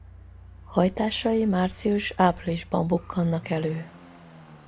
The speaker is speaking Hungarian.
Hajtásai március-áprilisban bukkannak elő.